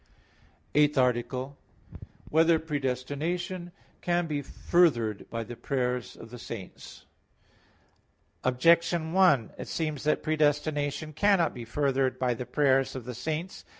_______________________ EIGHTH ARTICLE [I, Q. 23, Art. 8] Whether Predestination Can Be Furthered by the Prayers of the Saints? Objection 1: It seems that predestination cannot be furthered by the prayers of the saints.